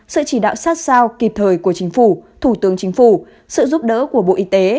sự chỉ đạo sát sao kịp thời của chính phủ thủ tướng chính phủ sự giúp đỡ của bộ y tế